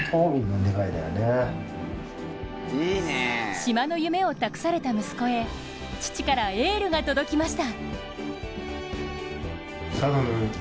島の夢を託された息子へ父からエールが届きました。